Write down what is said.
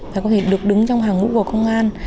phải có thể được đứng trong hàng ngũ của công an